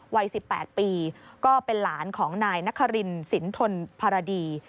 วัย๑๘ปีก็เป็นหลานของนายนครินสินทนภารดี